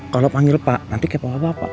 kalau panggil pak nanti kayak bapak bapak